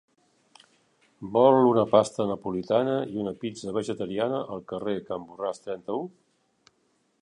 Vol una pasta napolitana i una pizza vegetariana al carrer Can Borràs trenta-u?